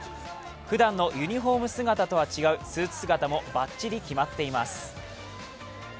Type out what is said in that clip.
ふだんのユニフォーム姿とは違うスーツ姿もばっちり決まっています。